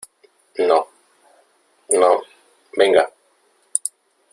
no . no , venga .